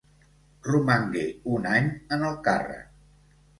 Romangué un any en el càrrec.